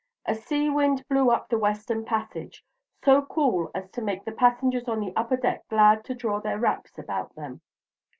A sea wind blew up the Western Passage, so cool as to make the passengers on the upper deck glad to draw their wraps about them.